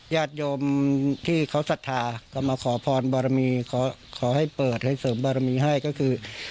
ญาติโยมที่เขาศรัทธาก็มาขอพรบารมีขอให้เปิดให้เสริมบารมีให้ก็คือ